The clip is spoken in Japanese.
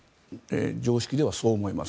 常識ではそう思います。